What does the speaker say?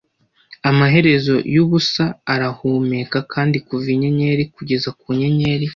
amaherezo yubusa arahumeka kandi kuva inyenyeri kugeza ku nyenyeri